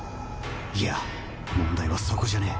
いや問題はそこじゃねぇ。